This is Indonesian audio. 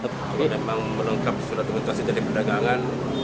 kalau memang melengkap surat surat dari pendagangan